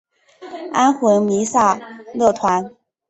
安魂弥撒乐团。